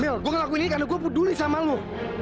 mila gue gak mau ngelakuin ini karena gue peduli sama lo